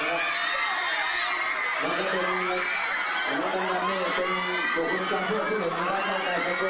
จะช่วยกับคุณครับหรือหรือหรือ